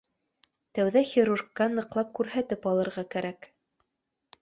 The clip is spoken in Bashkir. — Тәүҙә хирургҡа ныҡлап күрһәтеп алырға кәрәк